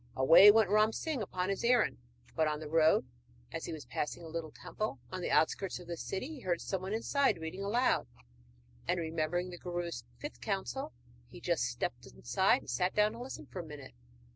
Away went Ram Singh upon his errand, but, on the road, as he was passing a little temple on the outskirts of the city, he heard someone inside reading aloud; and, remembering the guru's fifth counsel, he just stepped inside and sat down to listen for a minute.